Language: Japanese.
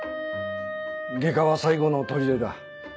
外科は最後のとりでだ。